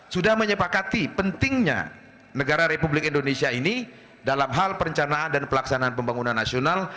sudah menyepakati pentingnya negara republik indonesia ini dalam hal perencanaan dan pelaksanaan pembangunan nasional